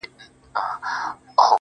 ستا له تصويره سره,